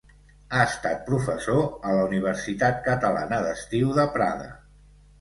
Ha estat professor a la Universitat Catalana d'Estiu de Prada.